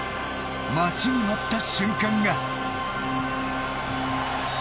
待ちに待った瞬間が。